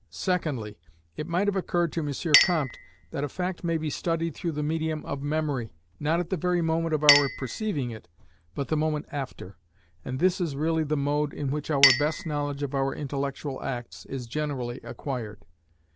Secondly, it might have occurred to M. Comte that a fact may be studied through the medium of memory, not at the very moment of our perceiving it, but the moment after: and this is really the mode in which our best knowledge of our intellectual acts is generally acquired.